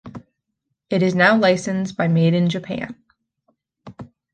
It is now licensed by Maiden Japan.